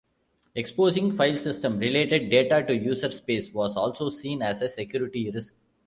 Exposing file system related data to user-space was also seen as a security risk.